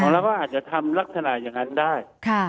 เราก็อาจจะทำลักษณะอย่างนั้นได้